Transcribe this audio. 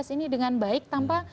ini dengan baik tanpa